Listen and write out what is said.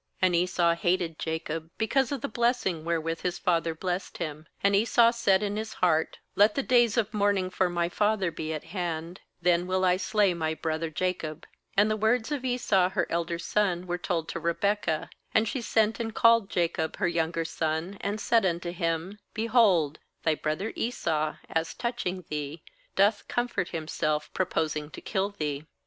^And Esau hated Jacob because of the blessing wherewith his father blessed him. And Esau said in his heart: 'Let the days of mourning for my father be at hand; then will I slay my brother Jacob/ ^And the worots of Esau her elder son were told to Bebekah; and she sent and^ called Jacob her younger son, and said unto him: /Behold, thy brother Esau, as touching thee, doth comfort himself, purposing to kill thee.